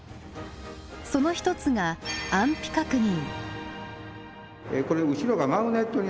その一つが安否確認。